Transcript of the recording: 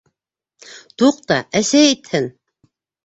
Туҡта, әсәй әйтһен!